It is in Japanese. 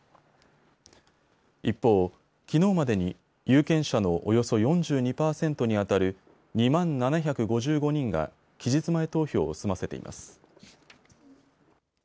一方、きのうまでに有権者のおよそ４２％にあたる２万７５５人が期日前投票を済ませています。